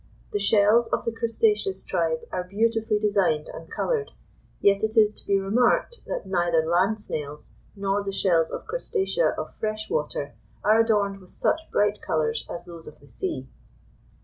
The shells of the crustaceous tribe are beautifully designed and coloured, yet it is to be remarked that neither land snails nor the shells of crustacea of fresh water, are adorned with such bright colours as those of the sea.